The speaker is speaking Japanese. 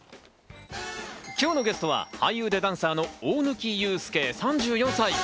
今日のゲストは俳優でダンサーの大貫勇輔、３４歳。